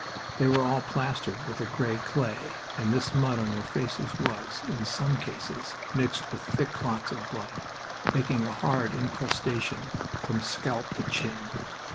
They were all plastered with a gray clay and this mud on their faces was, in some cases, mixed with thick clots of blood, making a hard incrustation from scalp to chin.